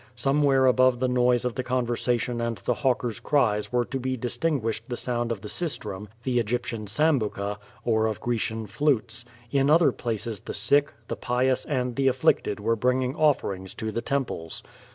Some where above the noise of the conversation and the hawker's cries were to be distinguished the sound of the sistrum, the Kgyptian sambuca, or of Grecian flutes; in other places the sick, the pious and the afflicted were bringing offerings to the temples.